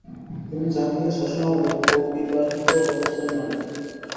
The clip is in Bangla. তিনি জাহাঙ্গীরের শাসনামলে অবিবাহিত অবস্থায় মারা যান।